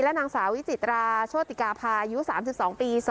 และหนังสาวิจิตราโชติกะพายนาย๓๒ปี